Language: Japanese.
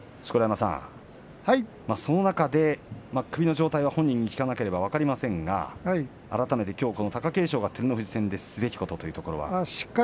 錣山さん、その中で首の状態は本人に聞かないと分かりませんが、改めて貴景勝は照ノ富士戦でやるべきことは何ですか。